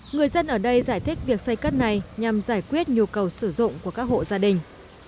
người dân ở đây giải thích việc xây cất này nhằm giải quyết nhu cầu sử dụng của các hộ gia đình